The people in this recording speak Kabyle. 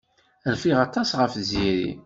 Rfiɣ aṭas ɣef Tiziri.